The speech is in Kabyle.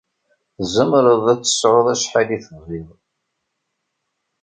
Tzemreḍ ad tesɛuḍ acḥal i tebɣiḍ.